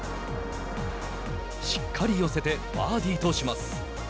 しっかり寄せて、このホールバーディーとします。